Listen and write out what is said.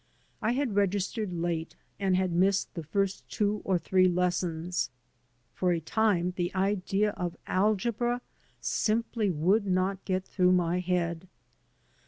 I had registered late, and had missed the first two or three lessons. For a time the idea of algebra simply would not get through my head.